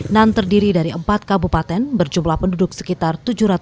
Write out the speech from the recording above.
dan terdiri dari empat kabupaten berjumlah penduduk sekitar tujuh